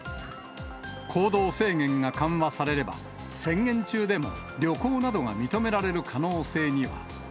行動制限が緩和されれば、宣言中でも旅行などが認められる可能性には。